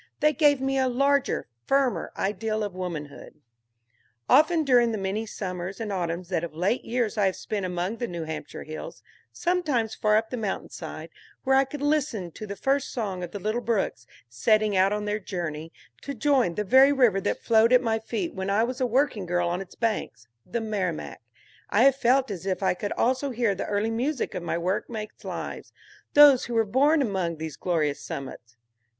They gave me a larger, firmer ideal of womanhood. Often during the many summers and autumns that of late years I have spent among the New Hampshire hills, sometimes far up the mountainsides, where I could listen to the first song of the little brooks setting out on their journey to join the very river that flowed at my feet when I was a working girl on its banks, the Merrimack, I have felt as if I could also hear the early music of my workmates' lives, those who were born among these glorious summits.